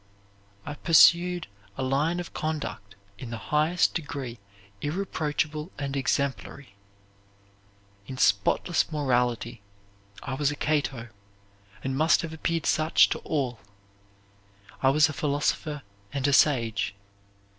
I pursued a line of conduct in the highest degree irreproachable and exemplary. In spotless morality I was a Cato, and must have appeared such to all. I was a philosopher and a sage.